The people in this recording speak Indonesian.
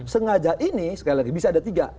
sengaja ini sekali lagi bisa ada tiga